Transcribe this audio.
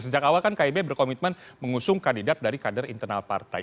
sejak awal kan kib berkomitmen mengusung kandidat dari kader internal partai